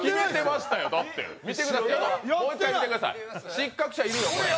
失格者いるよ、これ。